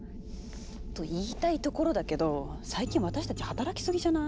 と言いたいところだけど最近私たち働きすぎじゃない？